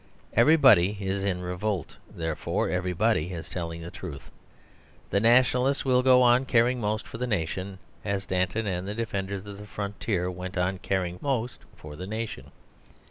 Everybody is in revolt; therefore everybody is telling the truth. The Nationalists will go on caring most for the nation, as Danton and the defenders of the frontier went on caring most for the nation.